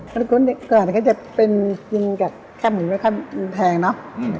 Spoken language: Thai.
เมื่อกลุ่มเด็กก่อนก็จะกินกับแค่หมูแพงเนอะ